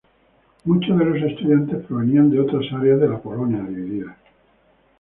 Muchos de los estudiantes provenían de otras áreas de la Polonia dividida.